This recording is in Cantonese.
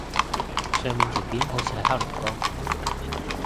上面條片好似係黑龍江